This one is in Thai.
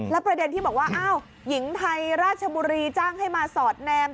ประเด็นที่บอกว่าอ้าวหญิงไทยราชบุรีจ้างให้มาสอดแนม